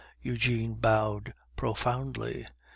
Eugene bowed profoundly.